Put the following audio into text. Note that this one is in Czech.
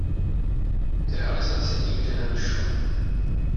K realizaci nikdy nedošlo.